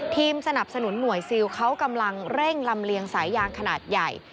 สนับสนุนหน่วยซิลเขากำลังเร่งลำเลียงสายยางขนาดใหญ่